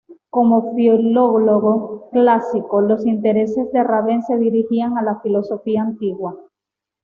Como filólogo clásico, los intereses de Raven se dirigían a la filosofía antigua.